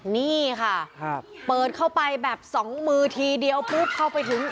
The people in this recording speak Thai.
นี่ค่ะเปิดเข้าไปแบบสองมือทีเดียวปุ๊บเข้าไปถึง